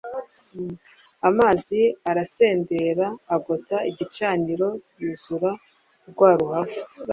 Amazi arasendera agota igicaniro, yuzura na rwa ruhavu